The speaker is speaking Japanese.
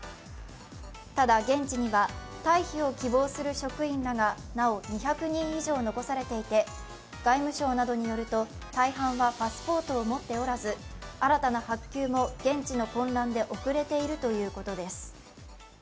ただ、現地には退避を希望する職員らがなお２００人以上残されていて外務省らによると大半はパスポートを持っておらず、新たな発給も現地の混乱で遅れているということです。